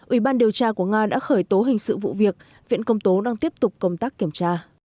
ủy ban điều tra của nga đã khởi tố hình sự vụ việc viện công tố đang tiếp tục công tác kiểm tra